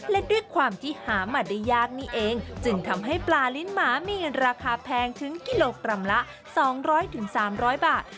และด้วยความที่หามาได้ยากนี่เองจึงทำให้ปลาลิ้นหมามีราคาแพงถึงกิโลกรัมละ๒๐๐๓๐๐บาท